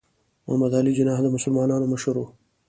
محمد علي جناح د مسلمانانو مشر و.